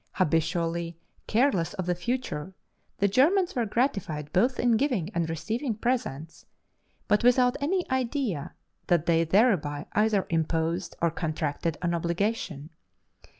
Habitually careless of the future, the Germans were gratified both in giving and receiving presents, but without any idea that they thereby either imposed or contracted an obligation.